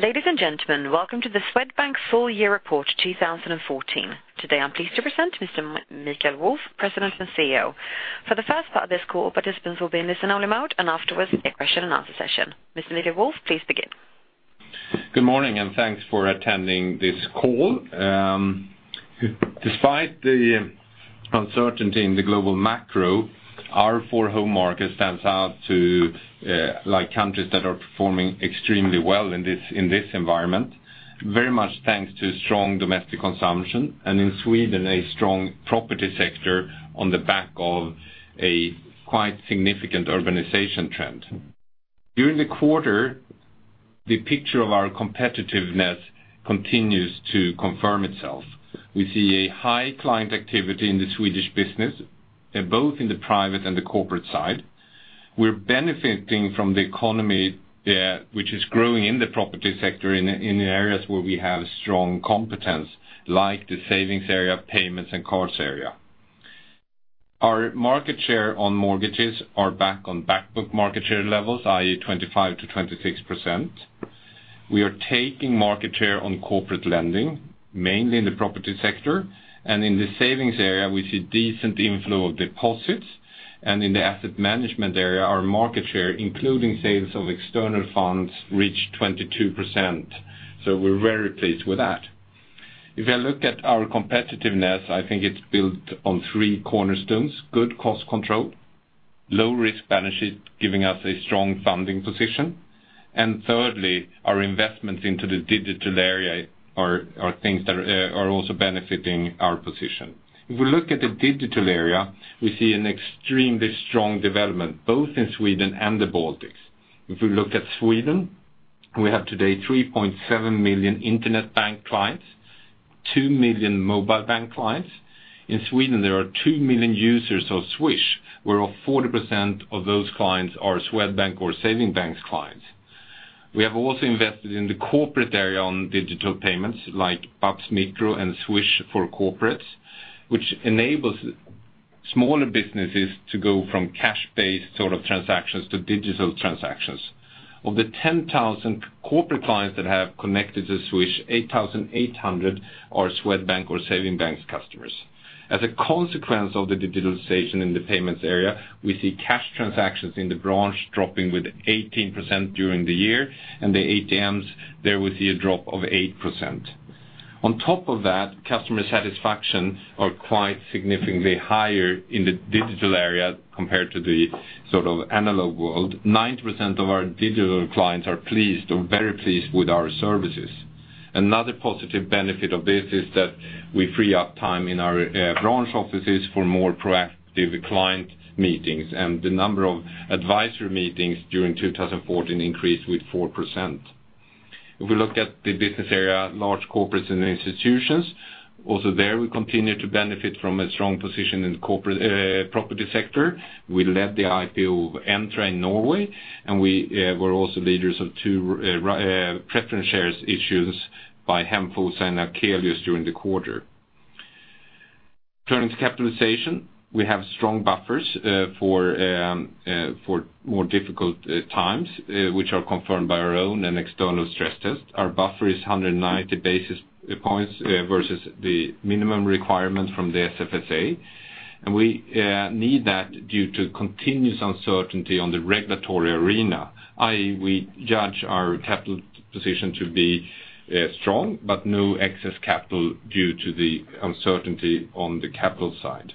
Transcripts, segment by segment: Ladies and gentlemen, welcome to the Swedbank Full Year Report 2014. Today, I'm pleased to present Mr. Michael Wolf, President and CEO. For the first part of this call, participants will be in listen-only mode, and afterwards, a question-and-answer session. Mr. Michael Wolf, please begin. Good morning, and thanks for attending this call. Despite the uncertainty in the global macro, our four home market stands out to, like, countries that are performing extremely well in this, in this environment. Very much thanks to strong domestic consumption, and in Sweden, a strong property sector on the back of a quite significant urbanization trend. During the quarter, the picture of our competitiveness continues to confirm itself. We see a high client activity in the Swedish business, both in the private and the corporate side. We're benefiting from the economy, which is growing in the property sector, in, in the areas where we have strong competence, like the savings area, payments, and cards area. Our market share on mortgages are back on back book market share levels, i.e., 25%-26%. We are taking market share on corporate lending, mainly in the property sector, and in the savings area, we see decent inflow of deposits, and in the asset management area, our market share, including sales of external funds, reached 22%, so we're very pleased with that. If I look at our competitiveness, I think it's built on three cornerstones, good cost control, low risk management, giving us a strong funding position, and thirdly, our investments into the digital area are, are things that are, are also benefiting our position. If we look at the digital area, we see an extremely strong development, both in Sweden and the Baltics. If we look at Sweden, we have today 3.7 million internet bank clients, 2 million mobile bank clients. In Sweden, there are 2 million users of Swish, whereof 40% of those clients are Swedbank or Sparbanken’s clients. We have also invested in the corporate area on digital payments like Babs Micro and Swish for corporates, which enables smaller businesses to go from cash-based sort of transactions to digital transactions. Of the 10,000 corporate clients that have connected to Swish, 8,800 are Swedbank or Sparbanken’s customers. As a consequence of the digitalization in the payments area, we see cash transactions in the branch dropping with 18% during the year, and the ATMs, there we see a drop of 8%. On top of that, customer satisfaction are quite significantly higher in the digital area compared to the sort of analog world. 9% of our digital clients are pleased or very pleased with our services. Another positive benefit of this is that we free up time in our branch offices for more proactive client meetings, and the number of advisory meetings during 2014 increased with 4%. If we look at the business area, large corporates and institutions, also there, we continue to benefit from a strong position in corporate property sector. We led the IPO of Entra in Norway, and we're also leaders of two preference shares issues by Hemfosa and Akelius during the quarter. Turning to capitalization, we have strong buffers for more difficult times, which are confirmed by our own and external stress tests. Our buffer is 190 basis points versus the minimum requirements from the SFSA, and we need that due to continuous uncertainty on the regulatory arena, i.e., we judge our capital position to be strong, but no excess capital due to the uncertainty on the capital side.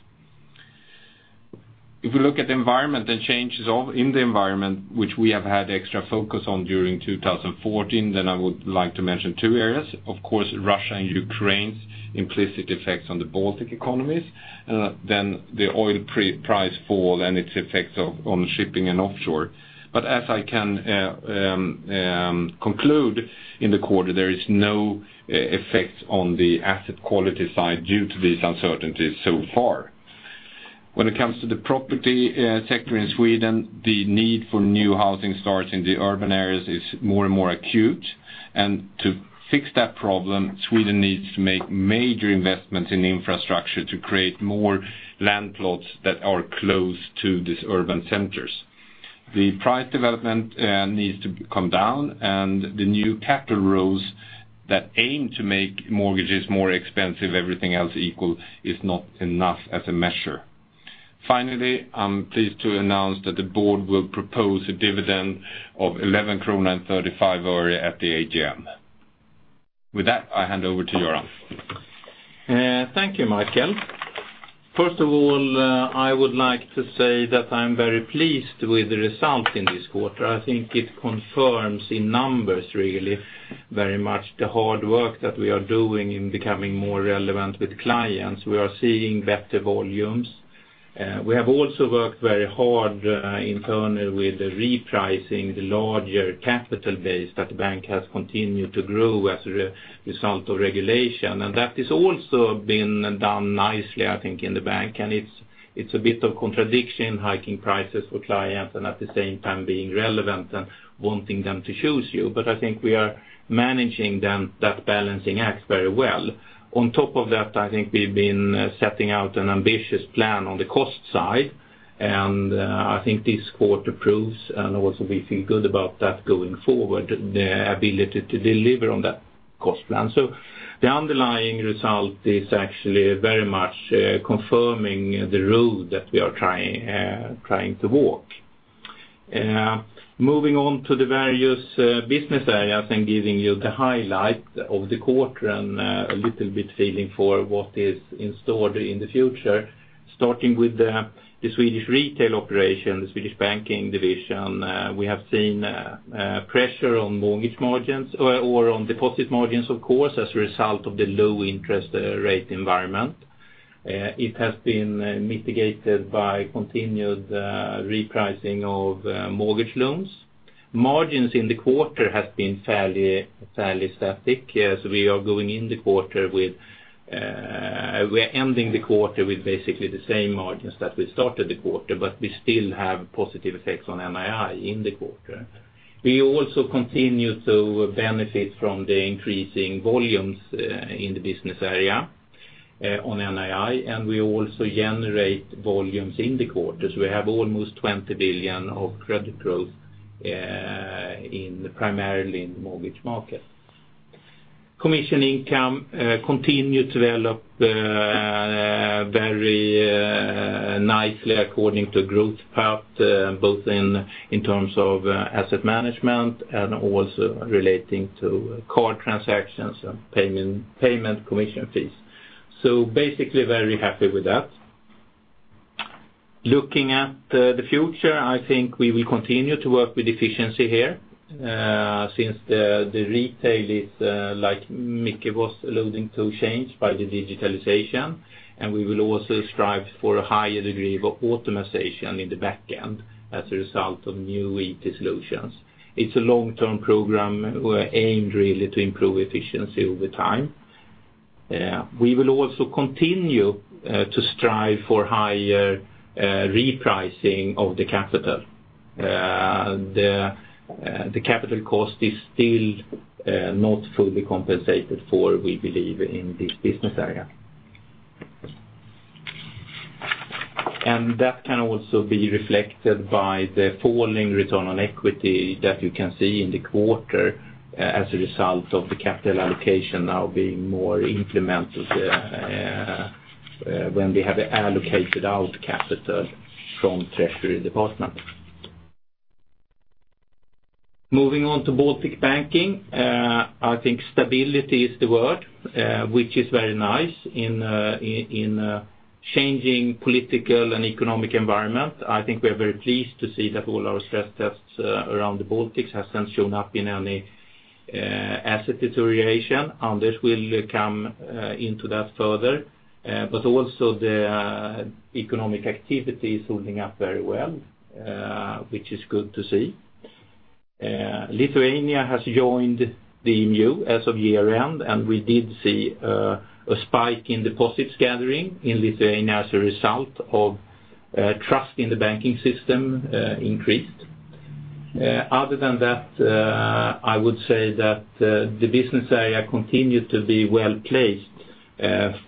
If you look at the environment and changes in the environment, which we have had extra focus on during 2014, then I would like to mention two areas. Of course, Russia and Ukraine's implicit effects on the Baltic economies, then the oil price fall and its effects on shipping and offshore. But as I can conclude in the quarter, there is no effect on the asset quality side due to these uncertainties so far. When it comes to the property sector in Sweden, the need for new housing starts in the urban areas is more and more acute. To fix that problem, Sweden needs to make major investments in infrastructure to create more land plots that are close to these urban centers. The price development needs to come down, and the new capital rules that aim to make mortgages more expensive, everything else equal, is not enough as a measure. Finally, I'm pleased to announce that the board will propose a dividend of SEK 11.35 at the AGM. With that, I hand over to Göran. Thank you, Mikael. First of all, I would like to say that I'm very pleased with the result in this quarter. I think it confirms in numbers, really, very much the hard work that we are doing in becoming more relevant with clients. We are seeing better volumes. We have also worked very hard, internally with the repricing the larger capital base that the bank has continued to grow as a result of regulation, and that has also been done nicely, I think, in the bank. It's, it's a bit of contradiction, hiking prices for clients and at the same time being relevant and wanting them to choose you, but I think we are managing them, that balancing act very well. On top of that, I think we've been setting out an ambitious plan on the cost side. I think this quarter proves, and also we feel good about that going forward, the ability to deliver on that cost plan. So the underlying result is actually very much confirming the road that we are trying to walk. Moving on to the various business areas and giving you the highlight of the quarter and a little bit feeling for what is in store in the future. Starting with the Swedish retail operation, the Swedish banking division, we have seen pressure on mortgage margins or on deposit margins, of course, as a result of the low interest rate environment. It has been mitigated by continued repricing of mortgage loans. Margins in the quarter has been fairly static. As we are going in the quarter with, we're ending the quarter with basically the same margins that we started the quarter, but we still have positive effects on NII in the quarter. We also continue to benefit from the increasing volumes in the business area on NII, and we also generate volumes in the quarters. We have almost 20 billion of credit growth in primarily the mortgage market. Commission income continue to develop very nicely according to growth path both in terms of asset management and also relating to card transactions and payment commission fees. So basically, very happy with that. Looking at the future, I think we will continue to work with efficiency here, since the retail is, like Mickey was alluding to, change by the digitalization, and we will also strive for a higher degree of optimization in the back end as a result of new e-solutions. It's a long-term program aimed really to improve efficiency over time. We will also continue to strive for higher repricing of the capital. The capital cost is still not fully compensated for, we believe, in this business area. And that can also be reflected by the falling return on equity that you can see in the quarter, as a result of the capital allocation now being more implemented, when we have allocated out capital from treasury department. Moving on to Baltic banking, I think stability is the word, which is very nice in a changing political and economic environment. I think we are very pleased to see that all our stress tests around the Baltics hasn't shown up in any asset deterioration. Anders will come into that further, but also the economic activity is holding up very well, which is good to see. Lithuania has joined the EMU as of year-end, and we did see a spike in deposits gathering in Lithuania as a result of trust in the banking system increased. Other than that, I would say that the business area continued to be well-placed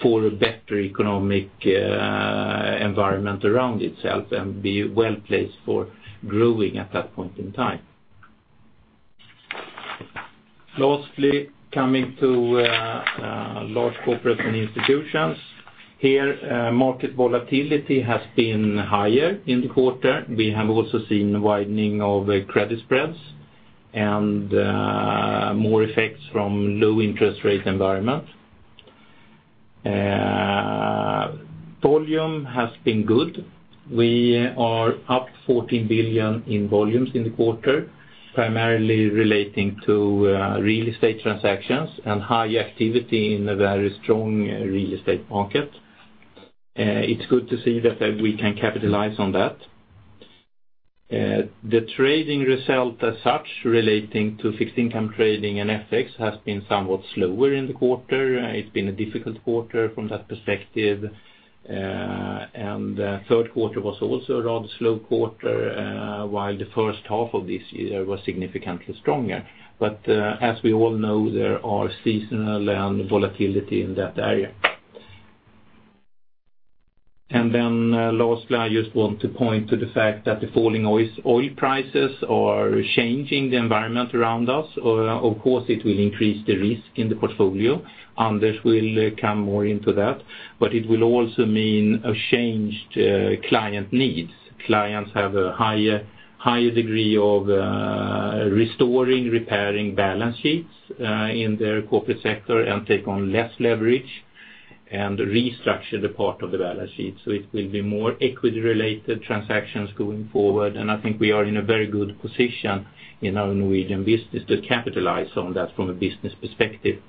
for a better economic environment around itself and be well-placed for growing at that point in time. Lastly, coming to Large Corporates and Institutions. Here, market volatility has been higher in the quarter. We have also seen a widening of credit spreads and more effects from low interest rate environment. Volume has been good. We are up 14 billion in volumes in the quarter, primarily relating to real estate transactions and high activity in a very strong real estate market. It's good to see that we can capitalize on that. The trading result as such, relating to fixed income trading and FX, has been somewhat slower in the quarter. It's been a difficult quarter from that perspective, and third quarter was also a rather slow quarter, while the first half of this year was significantly stronger. But as we all know, there are seasonal and volatility in that area. And then, lastly, I just want to point to the fact that the falling oil prices are changing the environment around us. Of course, it will increase the risk in the portfolio. Anders will come more into that, but it will also mean a changed client needs. Clients have a higher, higher degree of restoring, repairing balance sheets in their corporate sector and take on less leverage, and restructure the part of the balance sheet. So it will be more equity-related transactions going forward, and I think we are in a very good position in our Norwegian business to capitalize on that from a business perspective.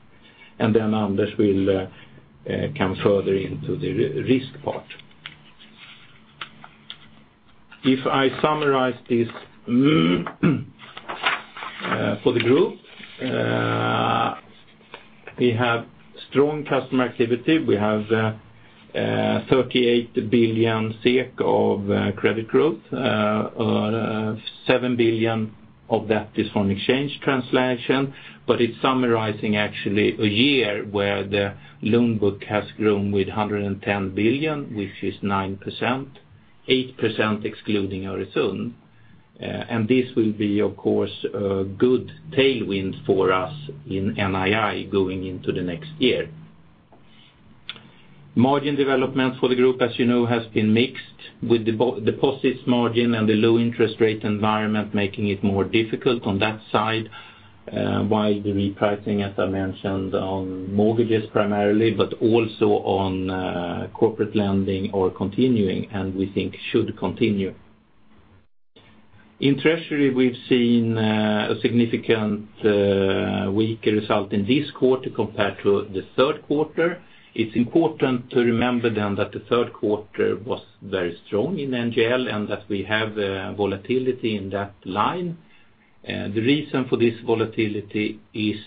And then Anders will come further into the risk part. If I summarize this for the group, we have strong customer activity. We have 38 billion SEK of credit growth, seven billion of that is from exchange translation, but it's summarizing actually a year where the loan book has grown with 110 billion, which is 9%, 8% excluding Öresund,. And this will be, of course, a good tailwind for us in NII going into the next year. Margin development for the group, as you know, has been mixed, with the deposits margin and the low interest rate environment making it more difficult on that side, while the repricing, as I mentioned, on mortgages primarily, but also on corporate lending are continuing, and we think should continue. In treasury, we've seen a significant weaker result in this quarter compared to the third quarter. It's important to remember then that the third quarter was very strong in NGL, and that we have a volatility in that line. The reason for this volatility is,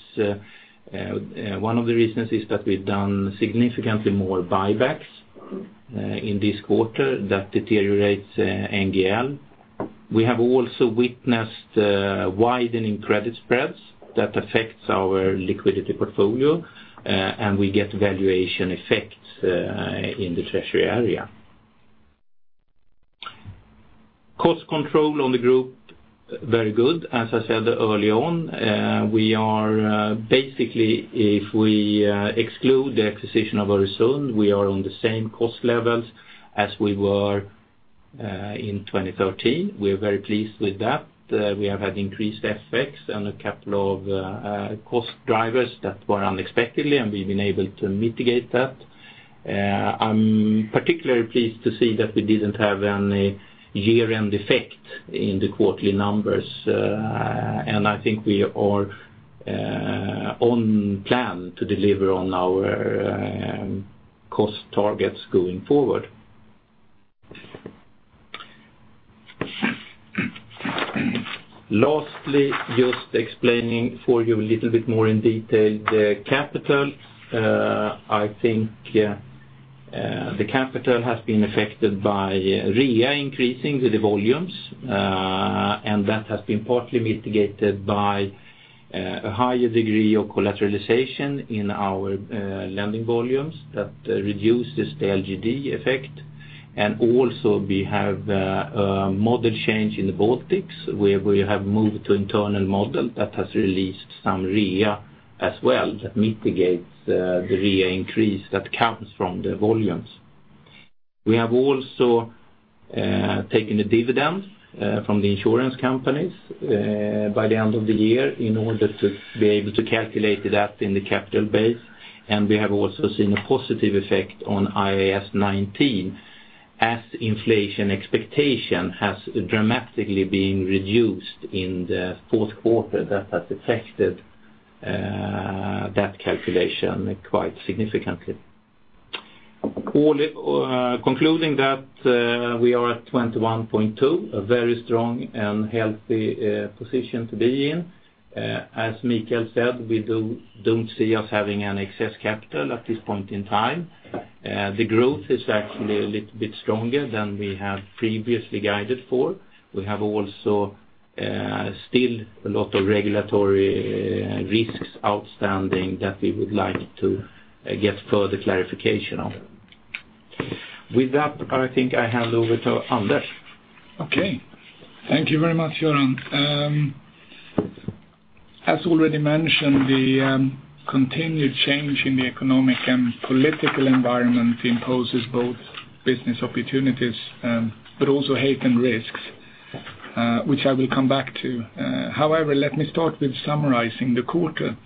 one of the reasons is that we've done significantly more buybacks, in this quarter that deteriorates, NGL. We have also witnessed, widening credit spreads that affects our liquidity portfolio, and we get valuation effects, in the treasury area. Cost control on the group, very good. As I said early on, we are basically, if we, exclude the acquisition of Öresund,, we are on the same cost levels as we were, in 2013. We are very pleased with that. We have had increased effects and a couple of, cost drivers that were unexpectedly, and we've been able to mitigate that. I'm particularly pleased to see that we didn't have any year-end effect in the quarterly numbers, and I think we are on plan to deliver on our cost targets going forward. Lastly, just explaining for you a little bit more in detail, the capital, I think, the capital has been affected by REA increasing the volumes, and that has been partly mitigated by a higher degree of collateralization in our lending volumes that reduces the LGD effect. And also, we have a model change in the Baltics, where we have moved to internal model that has released some REA as well, that mitigates the REA increase that comes from the volumes. We have also taken a dividend from the insurance companies by the end of the year in order to be able to calculate that in the capital base. And we have also seen a positive effect on IAS 19, as inflation expectation has dramatically been reduced in the fourth quarter, that has affected that calculation quite significantly. All it concluding that we are at 21.2, a very strong and healthy position to be in. As Mikael said, we don't see us having any excess capital at this point in time. The growth is actually a little bit stronger than we had previously guided for. We have also still a lot of regulatory risks outstanding that we would like to get further clarification on. With that, I think I hand over to Anders. Okay. Thank you very much, Göran. As already mentioned, the continued change in the economic and political environment imposes both business opportunities, but also heightened risks, which I will come back to. However, let me start with summarizing the quarter.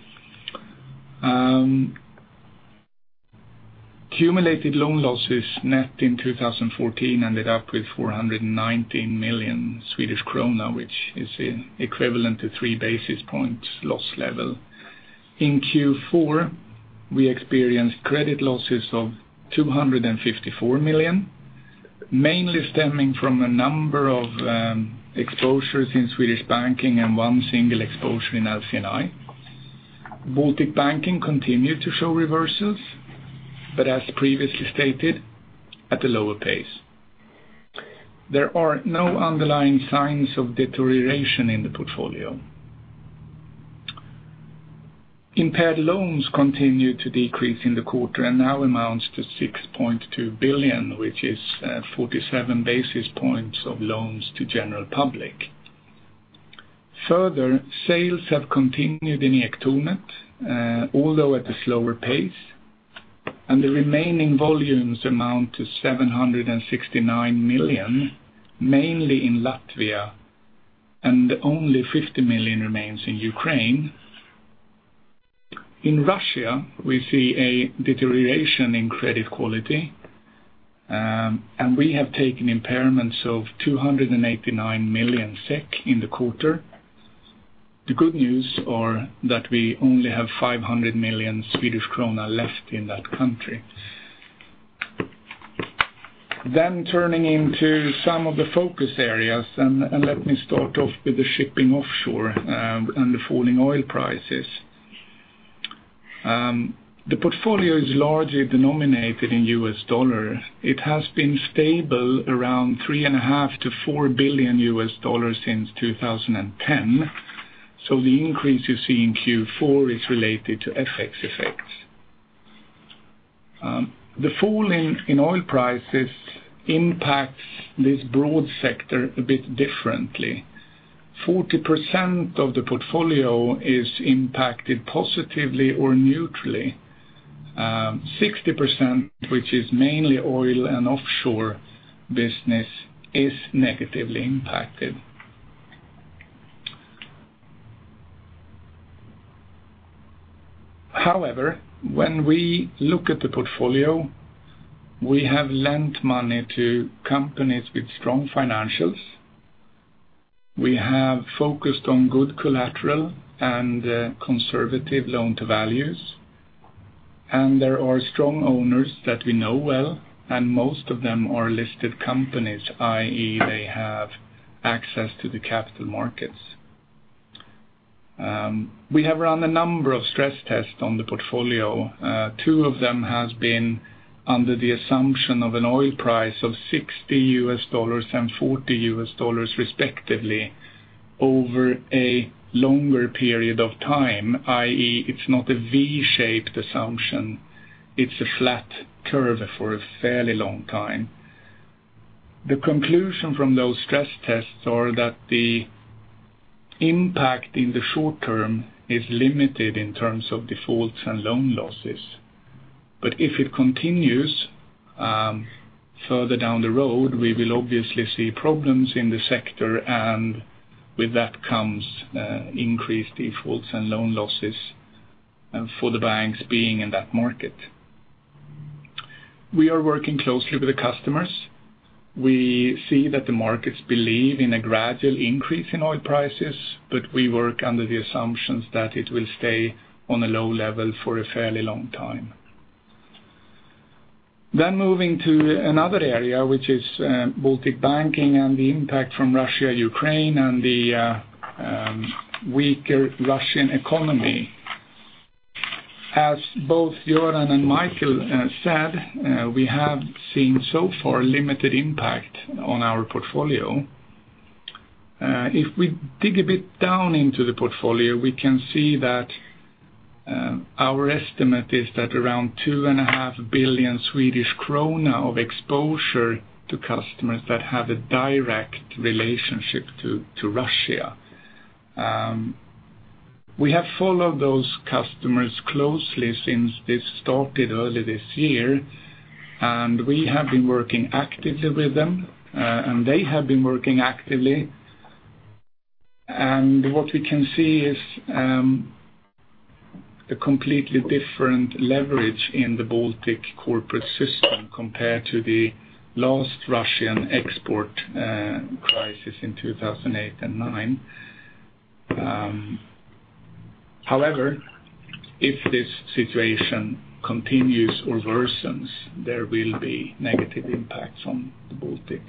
Cumulative loan losses net in 2014 ended up with 419 million Swedish krona, which is equivalent to 3 basis points loss level. In Q4, we experienced credit losses of 254 million, mainly stemming from a number of exposures in Swedish banking and one single exposure in LC&I. Baltic banking continued to show reversals, but as previously stated, at a lower pace. There are no underlying signs of deterioration in the portfolio. Impaired loans continued to decrease in the quarter and now amounts to 6.2 billion, which is forty-seven basis points of loans to general public. Further, sales have continued in Ektornet, although at a slower pace, and the remaining volumes amount to 769 million, mainly in Latvia, and only 50 million remains in Ukraine. In Russia, we see a deterioration in credit quality, and we have taken impairments of 289 million SEK in the quarter. The good news are that we only have 500 million Swedish krona left in that country. Then turning to some of the focus areas, and let me start off with the shipping offshore, and the falling oil prices. The portfolio is largely denominated in US dollar. It has been stable around $3.5 billion-$4 billion since 2010, so the increase you see in Q4 is related to FX effects. The fall in oil prices impacts this broad sector a bit differently. 40% of the portfolio is impacted positively or neutrally. 60%, which is mainly oil and offshore business, is negatively impacted. However, when we look at the portfolio, we have lent money to companies with strong financials. We have focused on good collateral and conservative loan-to-values, and there are strong owners that we know well, and most of them are listed companies, i.e., they have access to the capital markets. We have run a number of stress tests on the portfolio. Two of them has been under the assumption of an oil price of $60 and $40, respectively, over a longer period of time, i.e., it's not a V-shaped assumption, it's a flat curve for a fairly long time. The conclusion from those stress tests are that the impact in the short term is limited in terms of defaults and loan losses. But if it continues, further down the road, we will obviously see problems in the sector, and with that comes, increased defaults and loan losses, for the banks being in that market. We are working closely with the customers. We see that the markets believe in a gradual increase in oil prices, but we work under the assumptions that it will stay on a low level for a fairly long time. Then moving to another area, which is, Baltic banking and the impact from Russia, Ukraine, and the, weaker Russian economy. As both Göran and Michael said, we have seen so far limited impact on our portfolio. If we dig a bit down into the portfolio, we can see that, our estimate is that around 2.5 billion Swedish krona of exposure to customers that have a direct relationship to, to Russia. We have followed those customers closely since this started early this year, and we have been working actively with them, and they have been working actively. And what we can see is, a completely different leverage in the Baltic corporate system compared to the last Russian export, crisis in 2008 and 2009. However, if this situation continues or worsens, there will be negative impacts on the Baltic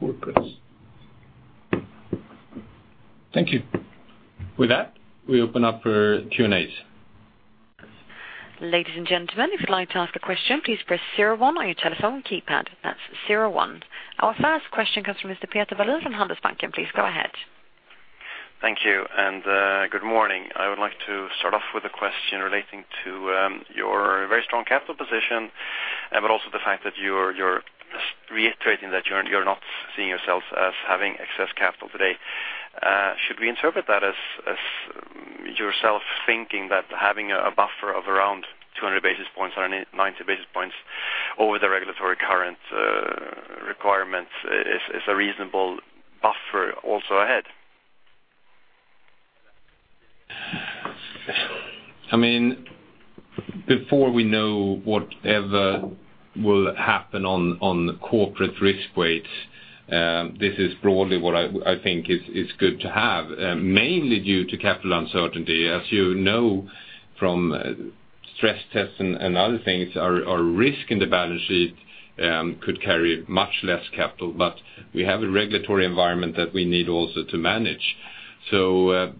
corporates. Thank you. With that, we open up for Q&As. Ladies and gentlemen, if you'd like to ask a question, please press zero-one on your telephone keypad. That's zero-one. Our first question comes from Mr. Peter Wallin from Handelsbanken. Please go ahead. Thank you, and, good morning. I would like to start off with a question relating to, your very strong capital position, but also the fact that you're, you're reiterating that you're, you're not seeing yourself as having excess capital today. Should we interpret that as, as yourself thinking that having a buffer of around 200 basis points or 90 basis points over the regulatory current, requirements is, is a reasonable buffer also ahead? I mean, before we know whatever will happen on corporate risk weights, this is broadly what I think is good to have, mainly due to capital uncertainty. As you know, from stress tests and other things, our risk in the balance sheet could carry much less capital, but we have a regulatory environment that we need also to manage. So,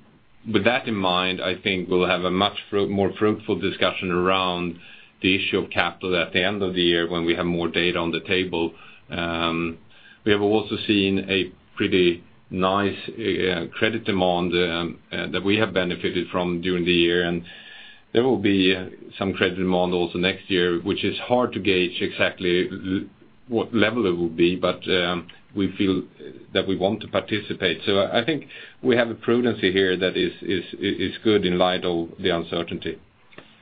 with that in mind, I think we'll have a much more fruitful discussion around the issue of capital at the end of the year when we have more data on the table. We have also seen a pretty nice credit demand that we have benefited from during the year, and there will be some credit demand also next year, which is hard to gauge exactly what level it will be, but we feel that we want to participate. So I think we have a prudency here that is, is, is good in light of the uncertainty.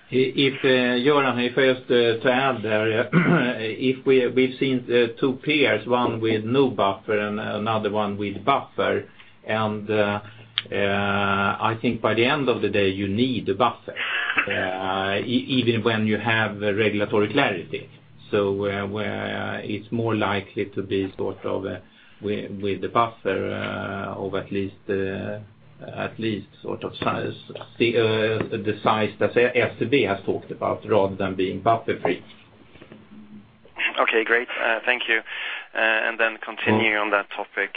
If, Göran, if I just to add there, if we, we've seen, two peers, one with no buffer and another one with buffer, and, I think by the end of the day, you need a buffer, even when you have regulatory clarity. So where, where it's more likely to be sort of, with, with the buffer, of at least, at least sort of size, the size that SEB has talked about, rather than being buffer free. Okay, great. Thank you. And then continuing on that topic,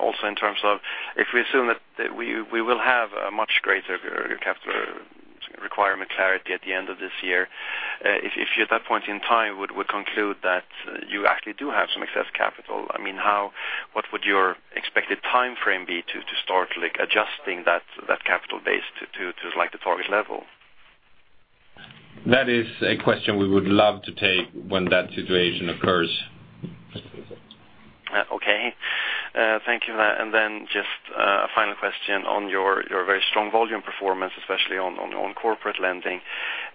also in terms of if we assume that we will have a much greater capital requirement clarity at the end of this year. If you at that point in time would conclude that you actually do have some excess capital, I mean, how, what would your expected timeframe be to start, like, adjusting that capital base to like the target level? That is a question we would love to take when that situation occurs. Okay. Thank you for that. And then just a final question on your very strong volume performance, especially on corporate lending.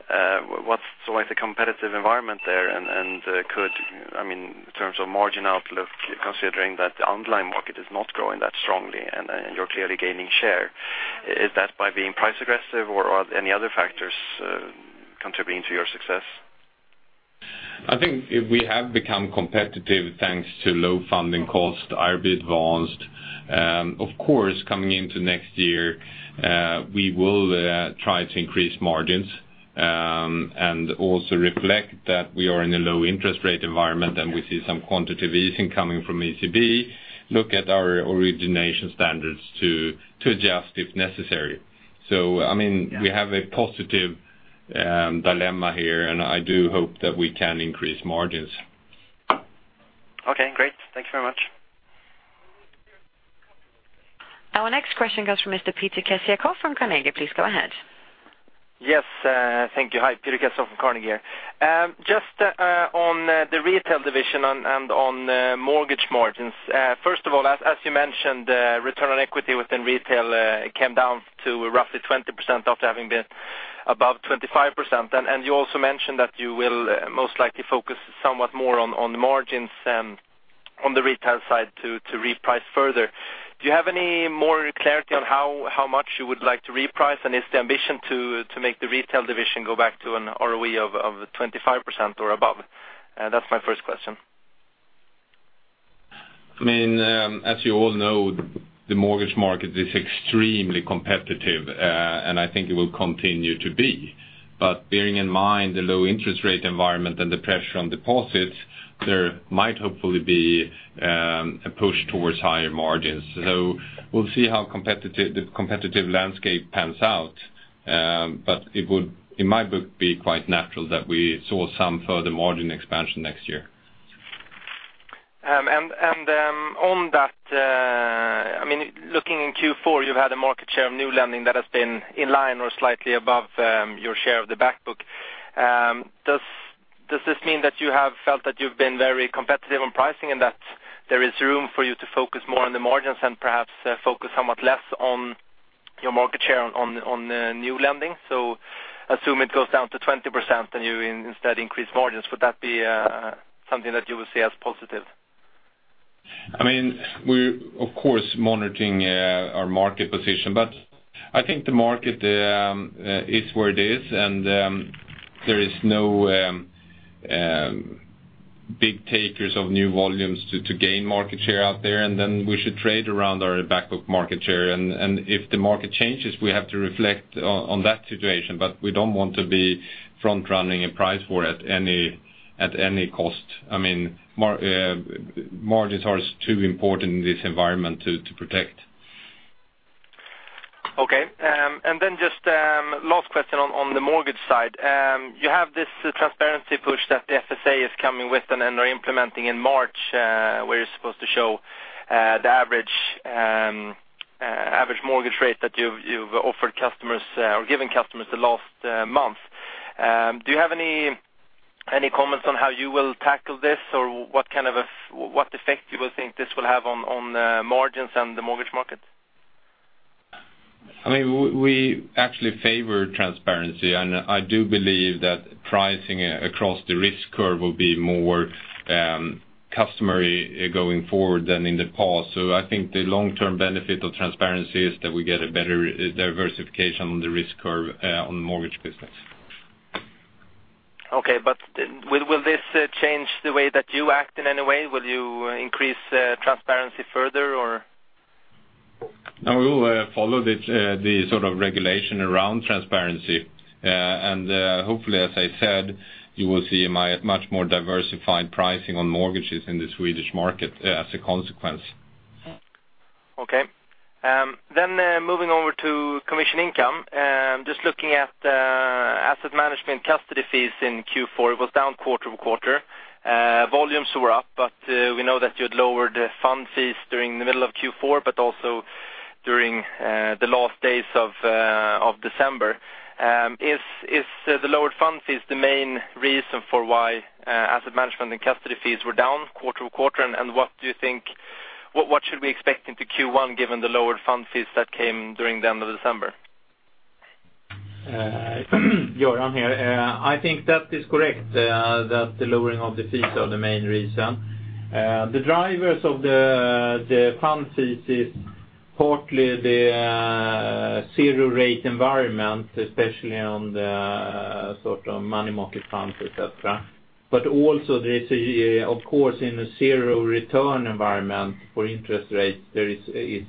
So what is the competitive environment there? And could, I mean, in terms of margin outlook, considering that the underlying market is not growing that strongly and you're clearly gaining share, is that by being price aggressive or are any other factors contributing to your success? I think we have become competitive, thanks to low funding costs, are a bit advanced. Of course, coming into next year, we will try to increase margins, and also reflect that we are in a low interest rate environment, and we see some quantitative easing coming from ECB. Look at our origination standards to adjust if necessary. So, I mean, we have a positive dilemma here, and I do hope that we can increase margins. Okay, great. Thanks very much. Our next question comes from Mr. Peter Kessiakoff from Carnegie. Please go ahead. Yes, thank you. Hi, Peter Kessiakoff from Carnegie. Just on the retail division and on mortgage margins. First of all, as you mentioned, return on equity within retail, it came down to roughly 20% after having been above 25%. And you also mentioned that you will most likely focus somewhat more on the margins and on the retail side to reprice further. Do you have any more clarity on how much you would like to reprice? And is the ambition to make the retail division go back to an ROE of 25% or above? That's my first question. I mean, as you all know, the mortgage market is extremely competitive, and I think it will continue to be. But bearing in mind the low interest rate environment and the pressure on deposits, there might hopefully be a push towards higher margins. So we'll see how the competitive landscape pans out, but it would, in my book, be quite natural that we saw some further margin expansion next year. And on that, I mean, looking in Q4, you've had a market share of new lending that has been in line or slightly above your share of the back book. Does this mean that you have felt that you've been very competitive on pricing, and that there is room for you to focus more on the margins and perhaps focus somewhat less on your market share on new lending? So assume it goes down to 20%, and you instead increase margins. Would that be something that you would see as positive? I mean, we're, of course, monitoring our market position, but I think the market is where it is, and there is no big takers of new volumes to gain market share out there, and then we should trade around our back book market share. And if the market changes, we have to reflect on that situation, but we don't want to be front running and price for it at any cost. I mean, margins are too important in this environment to protect. Okay. And then just last question on the mortgage side. You have this transparency push that the FSA is coming with and then are implementing in March, where you're supposed to show the average mortgage rate that you've offered customers or given customers the last month. Do you have any comments on how you will tackle this, or what kind of effect you would think this will have on margins and the mortgage market? I mean, we actually favor transparency, and I do believe that pricing across the risk curve will be more customary going forward than in the past. So I think the long-term benefit of transparency is that we get a better diversification on the risk curve on the mortgage business. Okay, but then will this change the way that you act in any way? Will you increase transparency further, or? No, we will follow the sort of regulation around transparency. And hopefully, as I said, you will see my much more diversified pricing on mortgages in the Swedish market as a consequence. Okay. Then, moving over to commission income, just looking at asset management custody fees in Q4, it was down quarter-over-quarter. Volumes were up, but we know that you'd lowered the fund fees during the middle of Q4, but also during the last days of December. Is the lowered fund fees the main reason for why asset management and custody fees were down quarter-over-quarter? And what do you think? What should we expect into Q1, given the lowered fund fees that came during the end of December? Göran here. I think that is correct, that the lowering of the fees are the main reason. The drivers of the fund fees is partly the zero rate environment, especially on the sort of money market funds, et cetera. But also there is a, of course, in a zero return environment for interest rates, there is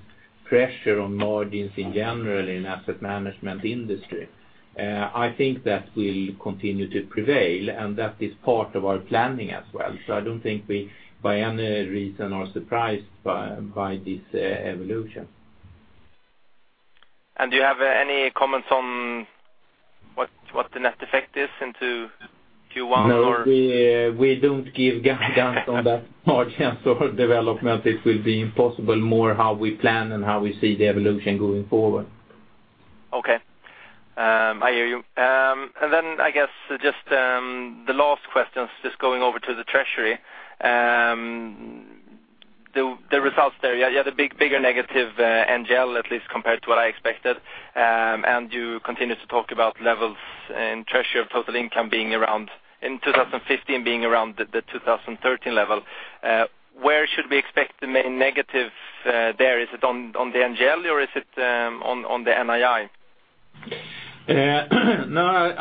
pressure on margins in general in asset management industry. I think that will continue to prevail, and that is part of our planning as well. So I don't think we, by any reason, are surprised by this evolution.... Do you have any comments on what, what the net effect is into Q1 or? No, we don't give guidance on that margin or development. It will be impossible, more how we plan and how we see the evolution going forward. Okay. I hear you. And then I guess just, the last question is just going over to the treasury. The, the results there, you had a bigger negative, NGL, at least compared to what I expected. And you continued to talk about levels in treasury of total income being around, in 2015, being around the, the 2013 level. Where should we expect the main negative, there? Is it on, on the NGL or is it, on, on the NII? No,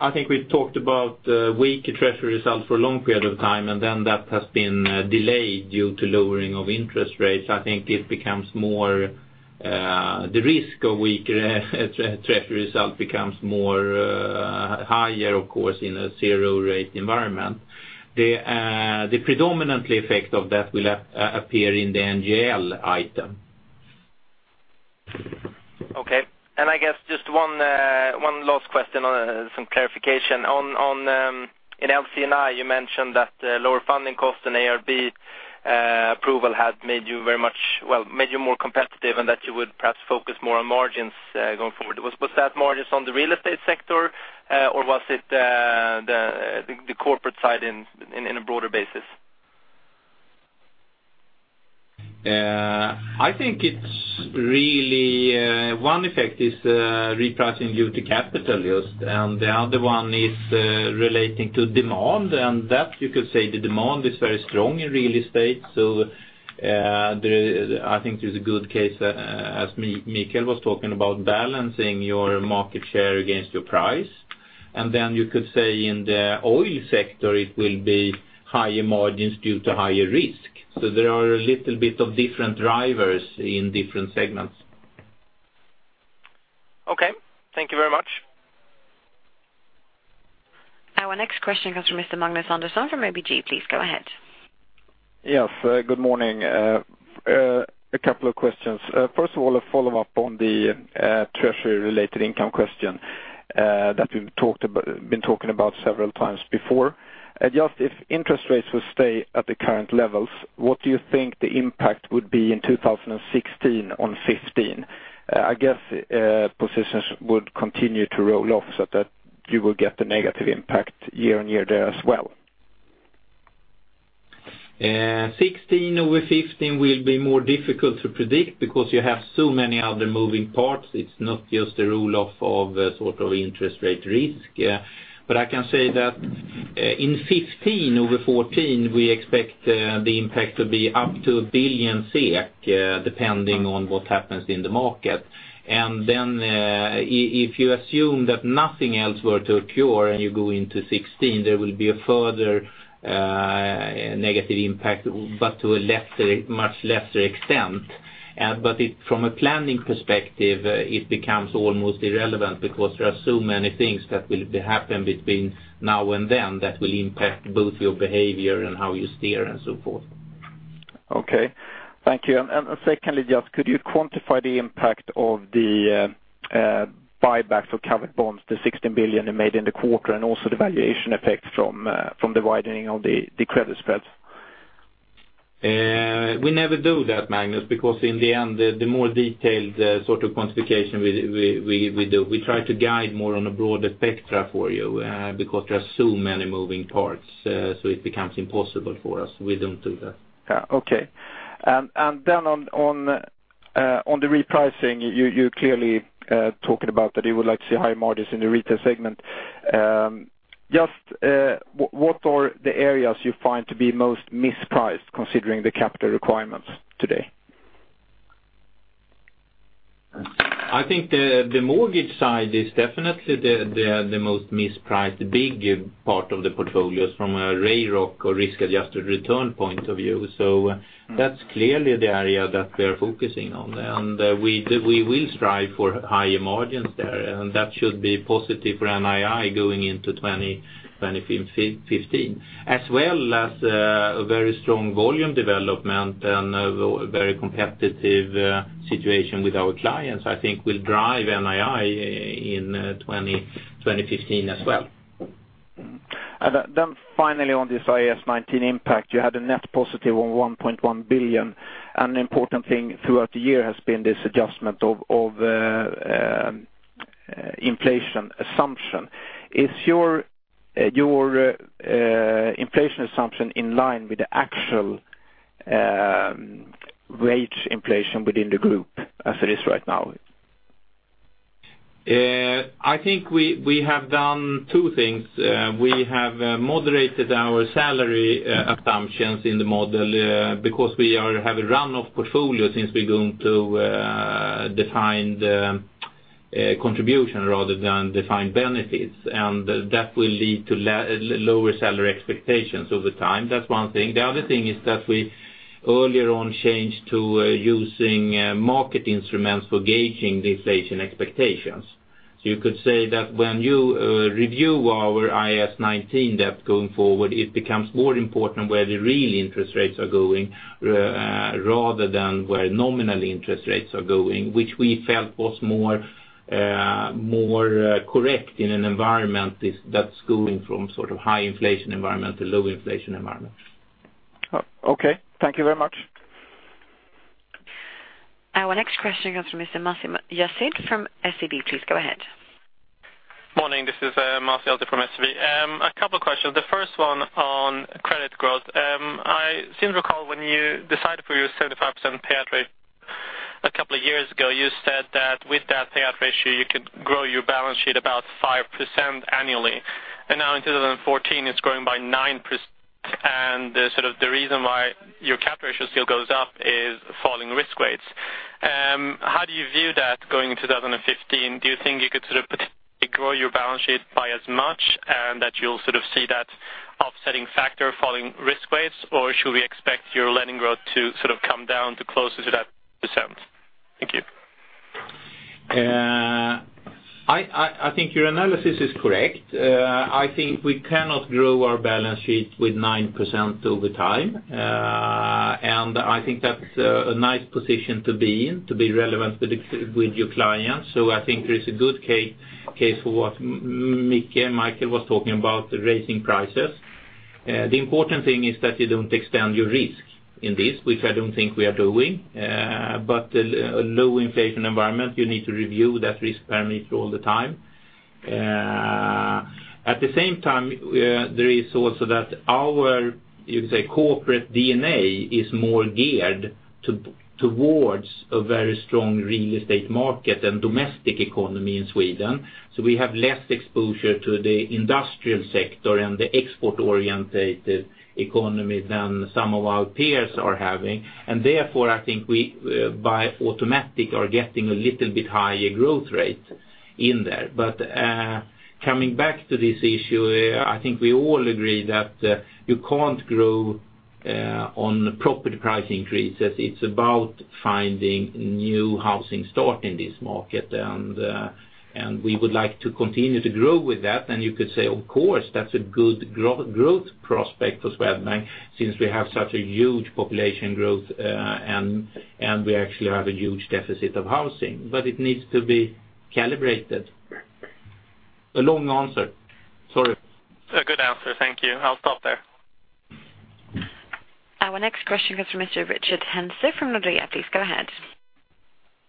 I think we've talked about weak treasury results for a long period of time, and then that has been delayed due to lowering of interest rates. I think it becomes more the risk of weaker treasury result becomes more higher, of course, in a zero rate environment. The predominant effect of that will appear in the NGL item. Okay. And I guess just one, one last question on some clarification. On, on, in LC&I, you mentioned that, lower funding costs and IRB approval had made you very much, well, made you more competitive, and that you would perhaps focus more on margins, going forward. Was, was that margins on the real estate sector, or was it, the, the corporate side in, in a broader basis? I think it's really one effect is repricing due to capital use, and the other one is relating to demand, and that you could say the demand is very strong in real estate. So, I think there's a good case, as Mikael was talking about, balancing your market share against your price. And then you could say in the oil sector, it will be higher margins due to higher risk. So there are a little bit of different drivers in different segments. Okay, thank you very much. Our next question comes from Mr. Magnus Andersson from ABG. Please go ahead. Yes, good morning. A couple of questions. First of all, a follow-up on the treasury related income question that we've talked about—been talking about several times before. Just if interest rates will stay at the current levels, what do you think the impact would be in 2016 on 2015? I guess positions would continue to roll off so that you will get the negative impact year-on-year there as well. 16 over 15 will be more difficult to predict because you have so many other moving parts. It's not just a roll-off of sort of interest rate risk. But I can say that in 15 over 14, we expect the impact to be up to 1 billion SEK, depending on what happens in the market. And then, if you assume that nothing else were to occur, and you go into 16, there will be a further negative impact, but to a lesser, much lesser extent. But from a planning perspective, it becomes almost irrelevant because there are so many things that will happen between now and then that will impact both your behavior and how you steer and so forth. Okay, thank you. And secondly, just could you quantify the impact of the buybacks of covered bonds, the 16 billion you made in the quarter, and also the valuation effect from the widening of the credit spreads? We never do that, Magnus, because in the end, the more detailed sort of quantification we do, we try to guide more on a broader spectrum for you, because there are so many moving parts, so it becomes impossible for us. We don't do that. Yeah, okay. And then on the repricing, you clearly talking about that you would like to see higher margins in the retail segment. Just, what are the areas you find to be most mispriced, considering the capital requirements today? I think the mortgage side is definitely the most mispriced, big part of the portfolios from a RAROC or risk-adjusted return point of view. So that's clearly the area that we are focusing on. And we will strive for higher margins there, and that should be positive for NII going into 2015. As well as a very strong volume development and a very competitive situation with our clients, I think will drive NII in 2015 as well. And then finally, on this IAS 19 impact, you had a net positive of 1.1 billion. An important thing throughout the year has been this adjustment of inflation assumption. Is your inflation assumption in line with the actual rate inflation within the group as it is right now? I think we have done two things. We have moderated our salary assumptions in the model because we have a run-off portfolio since we're going to define the contribution rather than define benefits, and that will lead to lower salary expectations over time. That's one thing. The other thing is that we earlier on changed to using market instruments for gauging the inflation expectations. So you could say that when you review our IAS 19 debt going forward, it becomes more important where the real interest rates are going rather than where nominal interest rates are going, which we felt was more correct in an environment that's going from sort of high inflation environment to low inflation environment. Oh, okay. Thank you very much. Our next question comes from Mr. Masih Yazdi from SEB. Please go ahead. Morning, this is Masih Yazdi from SEB. A couple of questions. The first one on credit growth. I seem to recall when you decided for your 75% payout rate a couple of years ago, you said that with that payout ratio, you could grow your balance sheet about 5% annually. And now in 2014, it's growing by 9%, and the sort of the reason why your cap ratio still goes up is falling risk weights. How do you view that going 2015? Do you think you could sort of potentially grow your balance sheet by as much, and that you'll sort of see that offsetting factor following risk weights? Or should we expect your lending growth to sort of come down to closer to that percent? Thank you. I think your analysis is correct. I think we cannot grow our balance sheet with 9% over time. And I think that's a nice position to be in, to be relevant with your clients. So I think there is a good case for what Michael was talking about, raising prices. The important thing is that you don't extend your risk in this, which I don't think we are doing. But a low inflation environment, you need to review that risk parameter all the time. At the same time, there is also that our, you could say, corporate DNA is more geared towards a very strong real estate market and domestic economy in Sweden. So we have less exposure to the industrial sector and the export-oriented economy than some of our peers are having. And therefore, I think we, by automatic, are getting a little bit higher growth rate in there. But, coming back to this issue, I think we all agree that you can't grow on property price increases. It's about finding new housing stock in this market, and we would like to continue to grow with that. And you could say, of course, that's a good growth prospect for Swedbank, since we have such a huge population growth, and we actually have a huge deficit of housing. But it needs to be calibrated. A long answer. Sorry. A good answer. Thank you. I'll stop there. Our next question comes from Mr. Rickard Henze from Nordea. Please go ahead.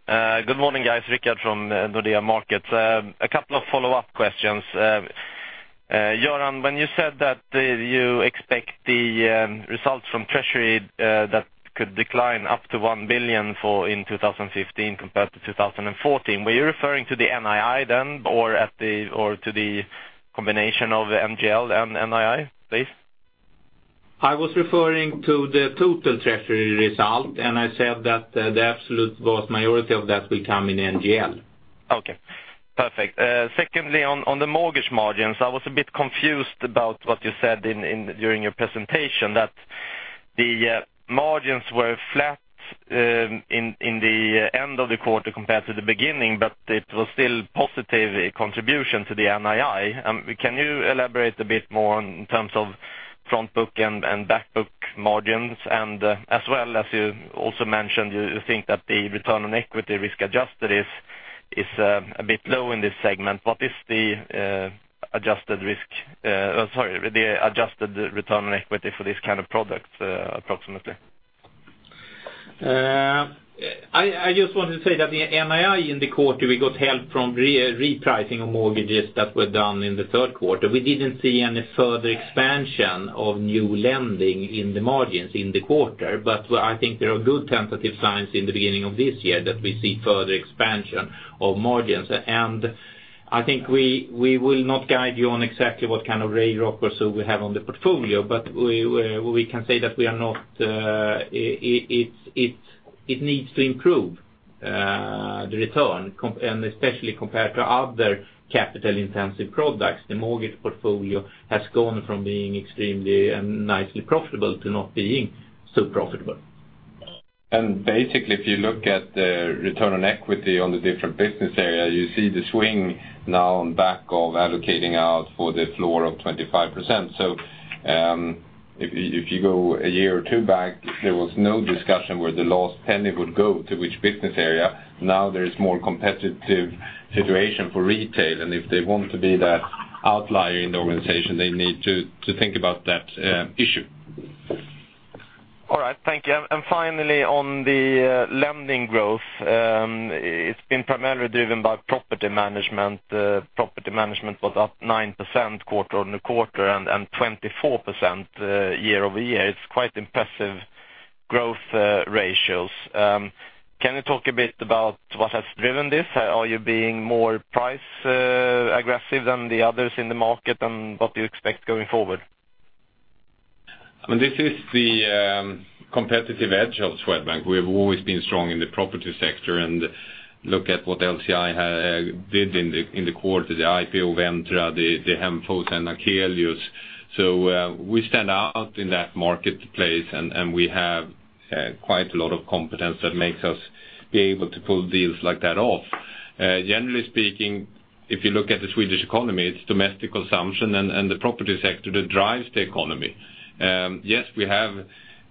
Good morning, guys. Rickard from Nordea Markets. A couple of follow-up questions. Göran, when you said that you expect the results from treasury that could decline up to 1 billion in 2015 compared to 2014, were you referring to the NII then, or to the combination of the NGL and NII, please? I was referring to the total treasury result, and I said that, the absolute vast majority of that will come in NGL. Okay, perfect. Secondly, on the mortgage margins, I was a bit confused about what you said during your presentation, that the margins were flat in the end of the quarter compared to the beginning, but it was still positive contribution to the NII. Can you elaborate a bit more in terms of frontbook and backbook margins? And as well as you also mentioned, you think that the return on equity risk adjusted is a bit low in this segment. What is the adjusted risk, sorry, the adjusted return on equity for this kind of product, approximately? I just wanted to say that the NII in the quarter, we got help from repricing of mortgages that were done in the third quarter. We didn't see any further expansion of new lending in the margins in the quarter, but I think there are good tentative signs in the beginning of this year that we see further expansion of margins. And I think we will not guide you on exactly what kind of rate lock or so we have on the portfolio, but we can say that it needs to improve the return and especially compared to other capital-intensive products. The mortgage portfolio has gone from being extremely and nicely profitable to not being so profitable. And basically, if you look at the return on equity on the different business areas, you see the swing now on back of allocating out for the floor of 25%. So, if you go a year or two back, there was no discussion where the last penny would go to which business area. Now, there is more competitive situation for retail, and if they want to be that outlier in the organization, they need to think about that issue. All right, thank you. Finally, on the lending growth, it's been primarily driven by property management. Property management was up 9% quarter-over-quarter and 24% year-over-year. It's quite impressive growth ratios. Can you talk a bit about what has driven this? Are you being more price aggressive than the others in the market, and what do you expect going forward? I mean, this is the competitive edge of Swedbank. We have always been strong in the property sector, and look at what LCI did in the quarter, the IPO Entra, the Hemfosa and Akelius. So, we stand out in that marketplace, and we have quite a lot of competence that makes us be able to pull deals like that off.... generally speaking, if you look at the Swedish economy, it's domestic consumption and, and the property sector that drives the economy. Yes, we have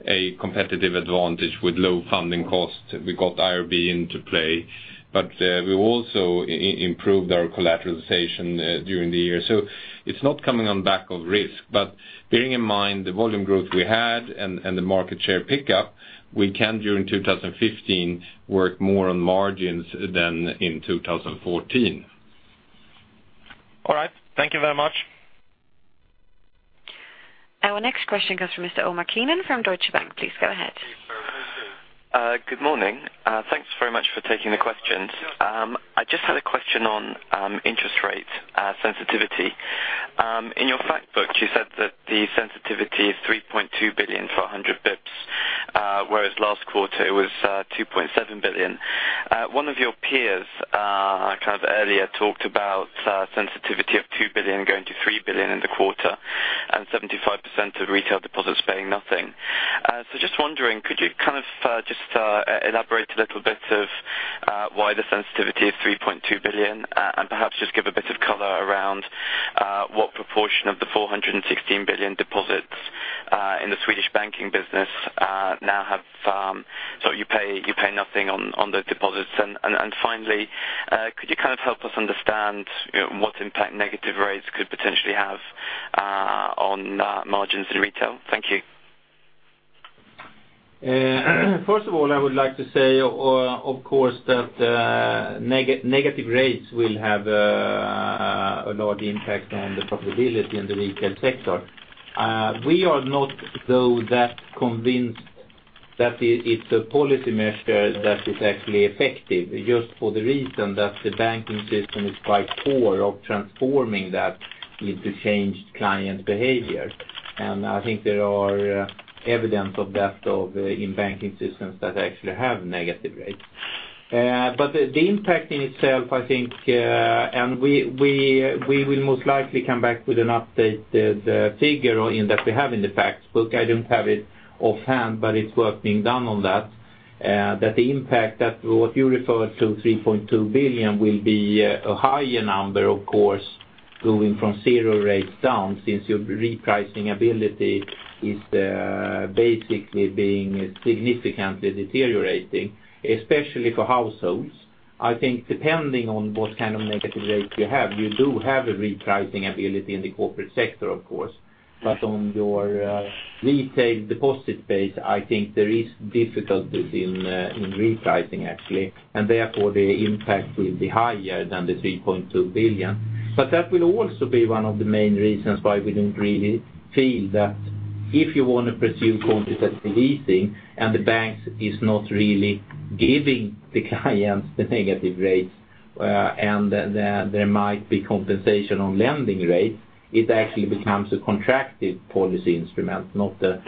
a competitive advantage with low funding costs. We got IRB into play, but we also improved our collateralization during the year. So it's not coming on back of risk. But bearing in mind the volume growth we had and, and the market share pickup, we can during 2015, work more on margins than in 2014. All right, thank you very much. Our next question comes from Mr. Omar Keenan from Deutsche Bank. Please go ahead. Good morning. Thanks very much for taking the questions. I just had a question on interest rate sensitivity. In your fact book, you said that the sensitivity is 3.2 billion for 100 pips, whereas last quarter it was 2.7 billion. One of your peers kind of earlier talked about sensitivity of 2 billion going to 3 billion in the quarter, and 75% of retail deposits paying nothing. So just wondering, could you kind of just elaborate a little bit of why the sensitivity is 3.2 billion? And perhaps just give a bit of color around what proportion of the 416 billion deposits in the Swedish banking business now have, so you pay, you pay nothing on the deposits. Finally, could you kind of help us understand, you know, what impact negative rates could potentially have on margins in retail? Thank you. First of all, I would like to say, of course, that negative rates will have a large impact on the profitability in the retail sector. We are not, though, that convinced that it's a policy measure that is actually effective, just for the reason that the banking system is quite poor of transforming that into changed client behavior. And I think there are evidence of that in banking systems that actually have negative rates. But the impact in itself, I think, and we will most likely come back with an updated figure or in that we have in the fact book. I don't have it offhand, but it's work being done on that. That the impact that what you referred to, 3.2 billion, will be a higher number, of course, going from zero rates down, since your repricing ability is basically being significantly deteriorating, especially for households. I think depending on what kind of negative rates you have, you do have a repricing ability in the corporate sector, of course. But on your retail deposit base, I think there is difficulties in repricing, actually, and therefore, the impact will be higher than the 3.2 billion. But that will also be one of the main reasons why we don't really feel that if you want to pursue quantitative easing, and the banks is not really giving the clients the negative rates, and then there might be compensation on lending rates, it actually becomes a contractionary policy instrument, not an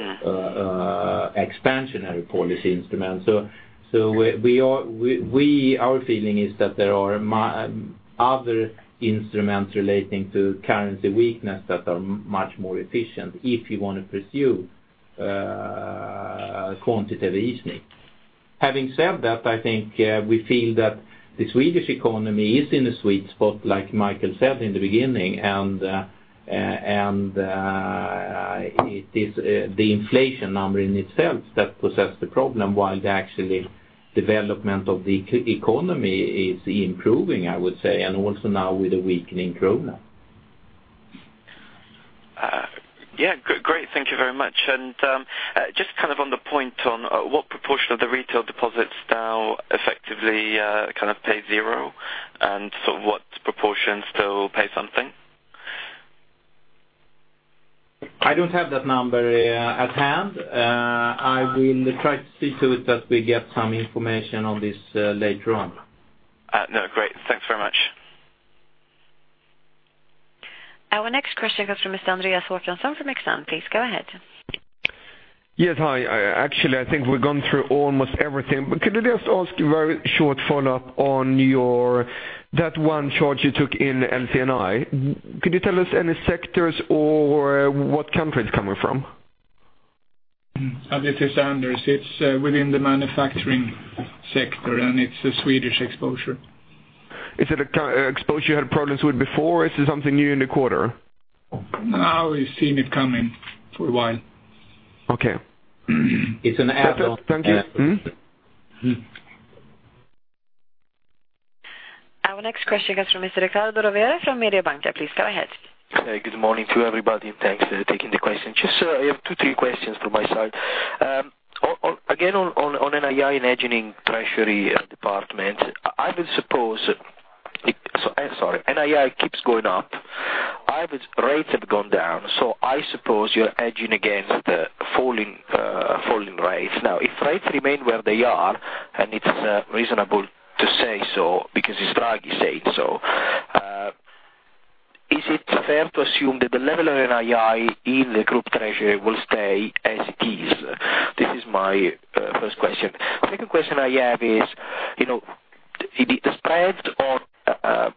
expansionary policy instrument. So, our feeling is that there are many other instruments relating to currency weakness that are much more efficient if you want to pursue quantitative easing. Having said that, I think we feel that the Swedish economy is in a sweet spot, like Michael said in the beginning, and it is the inflation number in itself that poses the problem, while the actual development of the economy is improving, I would say, and also now with a weakening Swedish krona. Yeah, great. Thank you very much. And just kind of on the point on what proportion of the retail deposits now effectively kind of pay zero, and so what proportions still pay something? I don't have that number at hand. I will try to see to it that we get some information on this later on. No, great. Thanks very much. Our next question comes from Mr. Andreas Håkansson from Exane. Please go ahead. Yes, hi. I, actually, I think we've gone through almost everything, but could I just ask you a very short follow-up on your... That one charge you took in LC&I. Could you tell us any sectors or what country it's coming from? This is Anders. It's within the manufacturing sector, and it's a Swedish exposure. Is it a country exposure you had problems with before, or is it something new in the quarter? No, we've seen it coming for a while. Okay. It's an add-on. Thank you. Mm-hmm. Mm-hmm. Our next question comes from Mr. Riccardo Rovere from Mediobanca. Please go ahead. Good morning to everybody, and thanks for taking the question. Just, I have two, three questions from my side. On NII and hedging treasury department, I would suppose. So, sorry, NII keeps going up. Average rates have gone down, so I suppose you're hedging against the falling rates. Now, if rates remain where they are, and it's reasonable to say so, because this graph is saying so, is it fair to assume that the level of NII in the group treasury will stay as it is? This is my first question. Second question I have is, you know, the spread on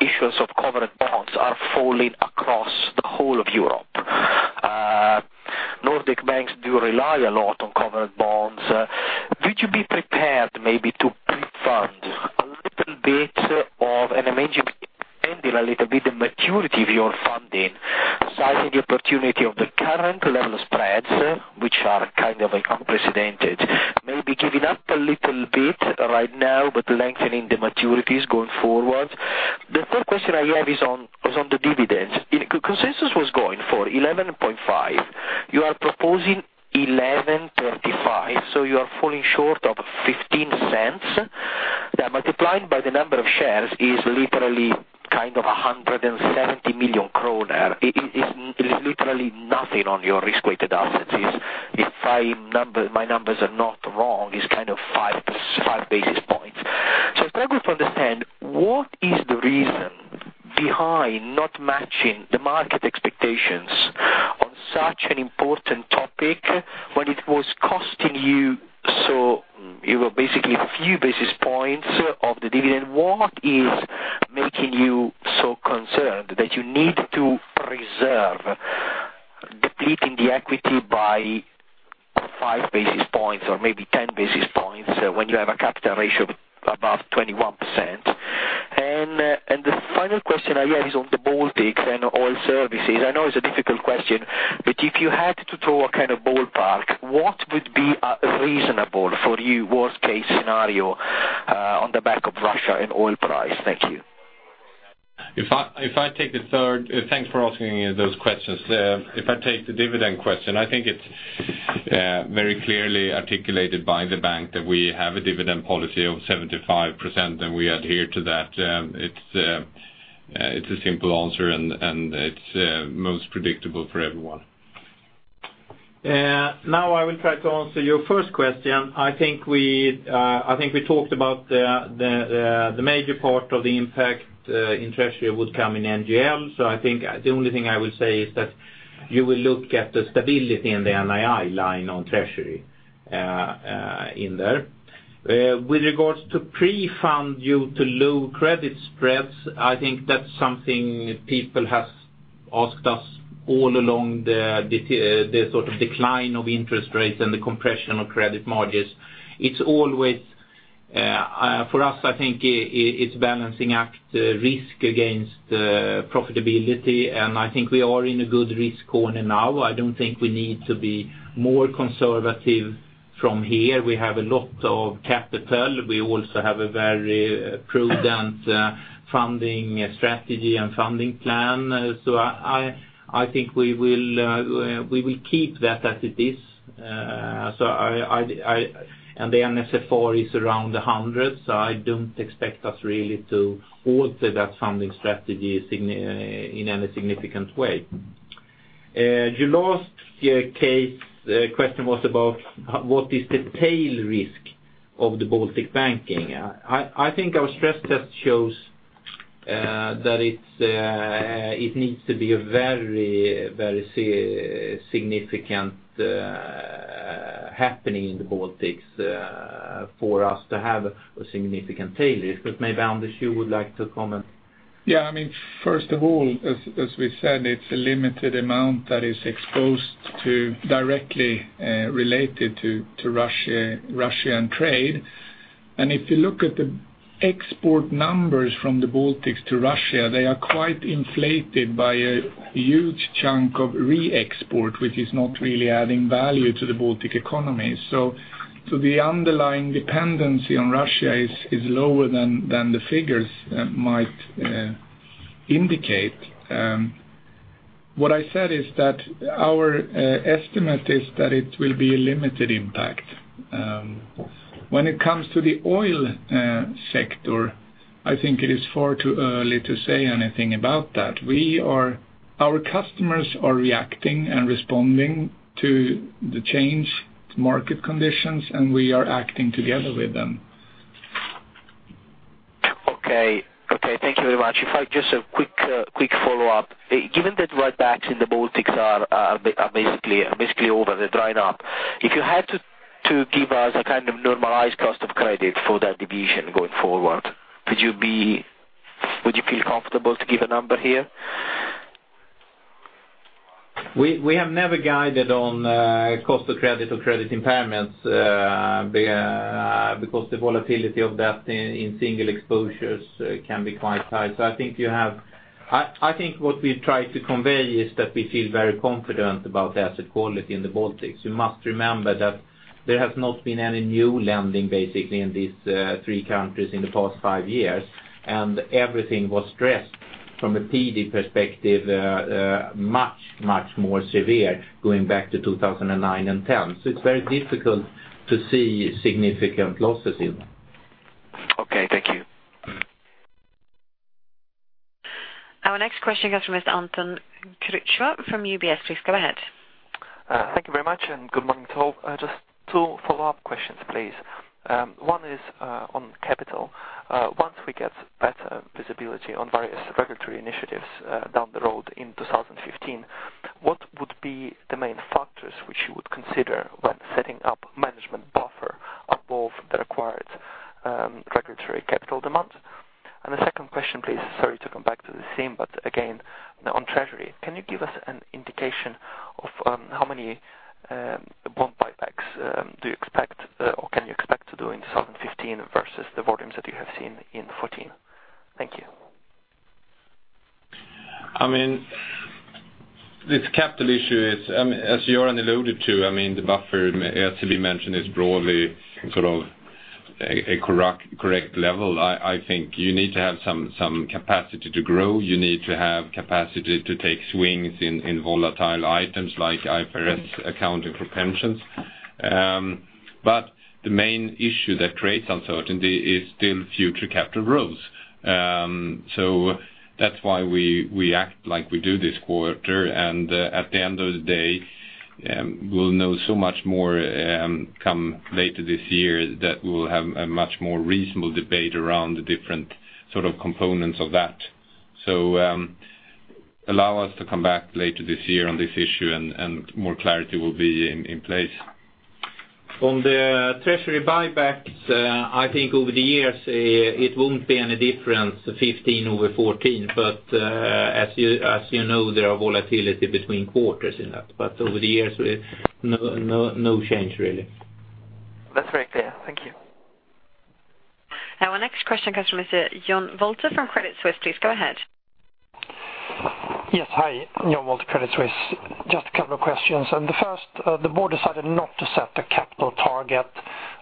issues of covered bonds are falling across the whole of Europe. Nordic banks do rely a lot on covered bonds. Would you be prepared maybe to pre-fund a little bit of an image] and a little bit the maturity of your funding, sizing the opportunity of the current level of spreads, which are kind of unprecedented, maybe giving up a little bit right now, but lengthening the maturities going forward? The third question I have is on the dividends. Consensus was going for 11.5. You are proposing 11.35, so you are falling short of 0.15 SEK. That multiplied by the number of shares is literally kind of 170 million kronor. It is literally nothing on your risk-weighted assets. If my numbers are not wrong, it's kind of 5.5 basis points. So I struggle to understand, what is the reason behind not matching the market expectations on such an important topic when it was costing you so, you know, basically a few basis points of the dividend? What is making you so concerned that you need to preserve, depleting the equity by 5 basis points or maybe 10 basis points when you have a capital ratio above 21%? And, and the final question I have is on the Baltics and oil services. I know it's a difficult question, but if you had to throw a kind of ballpark, what would be a reasonable for you, worst case scenario, on the back of Russia and oil price? Thank you. Thanks for asking those questions. If I take the dividend question, I think it's very clearly articulated by the bank that we have a dividend policy of 75%, and we adhere to that. It's a simple answer, and it's most predictable for everyone. Now, I will try to answer your first question. I think we, I think we talked about the major part of the impact in treasury would come in NGL. So I think the only thing I will say is that you will look at the stability in the NII line on treasury in there. With regards to pre-fund due to low credit spreads, I think that's something people have asked us all along the sort of decline of interest rates and the compression of credit margins. It's always for us, I think, it's balancing act risk against profitability, and I think we are in a good risk corner now. I don't think we need to be more conservative from here. We have a lot of capital. We also have a very prudent funding strategy and funding plan. So I think we will keep that as it is. So I and the NSFR is around 100, so I don't expect us really to alter that funding strategy significantly in any significant way. Your last case question was about how, what is the tail risk of the Baltic banking? I think our stress test shows that it needs to be a very, very significant happening in the Baltics for us to have a significant tail risk. But maybe, Anders, you would like to comment? Yeah, I mean, first of all, as we said, it's a limited amount that is exposed to directly related to Russia and trade. And if you look at the export numbers from the Baltics to Russia, they are quite inflated by a huge chunk of re-export, which is not really adding value to the Baltic economy. So the underlying dependency on Russia is lower than the figures might indicate. What I said is that our estimate is that it will be a limited impact. When it comes to the oil sector, I think it is far too early to say anything about that. Our customers are reacting and responding to the change, to market conditions, and we are acting together with them. Okay. Okay, thank you very much. If I just a quick follow-up. Given that write-backs in the Baltics are basically over, they're drying up. If you had to give us a kind of normalized cost of credit for that division going forward, would you feel comfortable to give a number here? We have never guided on cost of credit or credit impairments because the volatility of that in single exposures can be quite high. So I think you have... I think what we've tried to convey is that we feel very confident about the asset quality in the Baltics. You must remember that there has not been any new lending, basically, in these three countries in the past five years, and everything was stressed from a PD perspective much more severe going back to 2009 and 2010. So it's very difficult to see significant losses in them. Okay, thank you. Our next question comes from Mr. Antoine Hucher from UBS. Please go ahead. Thank you very much, and good morning to all. Just two follow-up questions, please. One is, on capital. Once we get better visibility on various regulatory initiatives, down the road in 2015, what would be the main factors which you would consider when setting up management buffer?... involve the required, regulatory capital demand? And the second question, please, sorry to come back to the same, but again, now on treasury. Can you give us an indication of, how many, bond buybacks, do you expect, or can you expect to do in 2015 versus the volumes that you have seen in 2014? Thank you. I mean, this capital issue is, as you already alluded to, I mean, the buffer, as we mentioned, is broadly sort of a correct level. I think you need to have some capacity to grow. You need to have capacity to take swings in volatile items like IFRS accounting for pensions. But the main issue that creates uncertainty is still future capital rules. So that's why we act like we do this quarter, and at the end of the day, we'll know so much more come later this year, that we will have a much more reasonable debate around the different sort of components of that. So allow us to come back later this year on this issue, and more clarity will be in place. On the treasury buybacks, I think over the years, it won't be any different, 15 over 14. But, as you know, there are volatility between quarters in that, but over the years, we—no, no, no change, really. That's very clear. Thank you. Now, our next question comes from Mr. Jan Wolter from Credit Suisse. Please go ahead. Yes. Hi, Jan Wolter, Credit Suisse. Just a couple of questions. And the first, the board decided not to set a capital target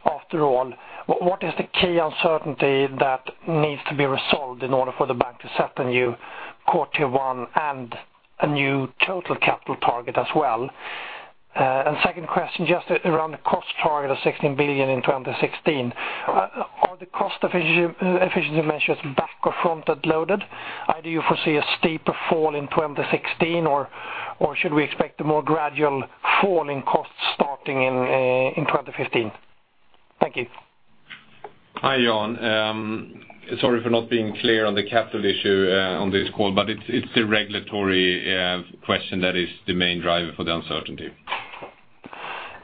after all. What, what is the key uncertainty that needs to be resolved in order for the bank to set a new Core Tier 1 and a new total capital target as well? And second question, just around the cost target of 16 billion in 2016. Are the cost efficiency measures back or front-loaded? Either you foresee a steeper fall in 2016, or should we expect a more gradual fall in costs starting in, in 2015? Thank you. Hi, Jan? Sorry for not being clear on the capital issue on this call, but it's a regulatory question that is the main driver for the uncertainty.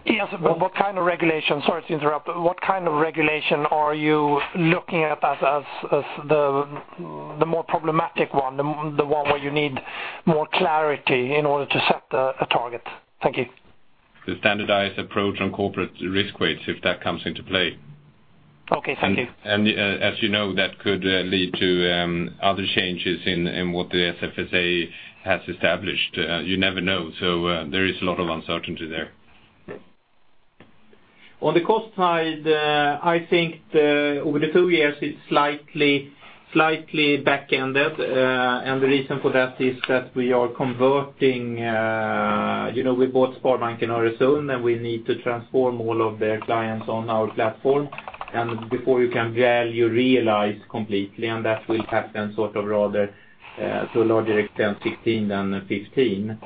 Yes, but what kind of regulation? Sorry to interrupt. But what kind of regulation are you looking at as the more problematic one, the one where you need more clarity in order to set a target? Thank you. The standardized approach on corporate risk weights, if that comes into play. Okay, thank you. As you know, that could lead to other changes in what the SFSA has established. You never know, so there is a lot of uncertainty there. On the cost side, I think the, over the two years, it's slightly, slightly backended. And the reason for that is that we are converting, you know, we bought Sparbanken Öresund, and we need to transform all of their clients on our platform. And before you can value realize completely, and that will happen sort of rather, to a larger extent, 2016 than 2015.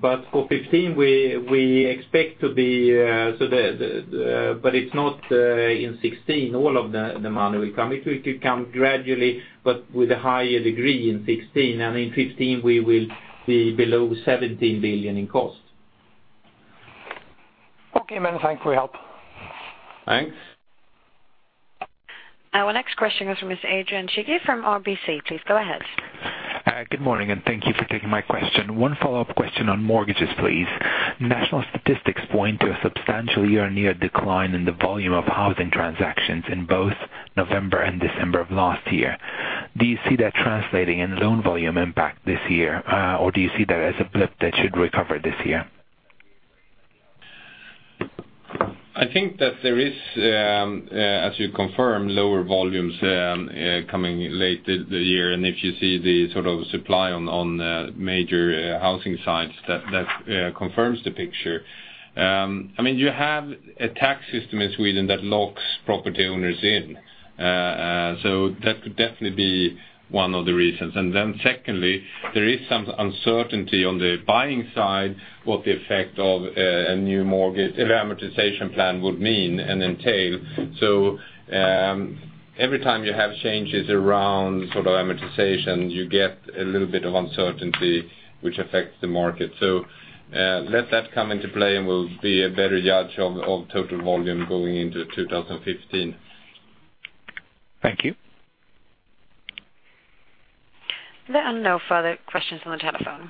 But for 2015, we expect to be, so the, the. But it's not, in 2016, all of the money will come. It will come gradually, but with a higher degree in 2016, and in 2015 we will be below 17 billion in cost. Okay, then. Thank you for your help. Thanks. Our next question is from Mr. Adrian Cighi from RBC. Please go ahead. Good morning, and thank you for taking my question. One follow-up question on mortgages, please. National statistics point to a substantial year-on-year decline in the volume of housing transactions in both November and December of last year. Do you see that translating in loan volume impact this year, or do you see that as a blip that should recover this year? I think that there is, as you confirm, lower volumes, coming late the year. And if you see the sort of supply on the major housing sites, that confirms the picture. I mean, you have a tax system in Sweden that locks property owners in, so that could definitely be one of the reasons. And then secondly, there is some uncertainty on the buying side, what the effect of a new mortgage amortization plan would mean and entail. So, every time you have changes around sort of amortization, you get a little bit of uncertainty, which affects the market. So, let that come into play, and we'll be a better judge of total volume going into 2015. Thank you. There are no further questions on the telephone.